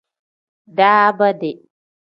Daabaade.